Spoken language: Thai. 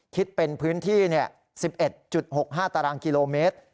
คิดเป็นพื้นที่๑๑๖๕ตารางกิโลเมตร